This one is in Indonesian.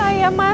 ada yang bisa